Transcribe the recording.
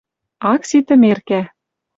ак ситӹ меркӓ.